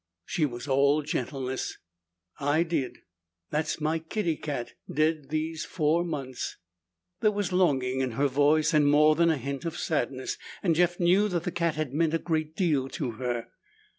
She was all gentleness. "I did. That's my Kitty Cat, dead these four months." There was longing in her voice, and more than a hint of sadness, and Jeff knew that the cat had meant a great deal to her.